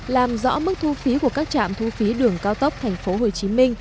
làm rõ mức thu phí của các trạm thu phí đường cao tốc tp hcm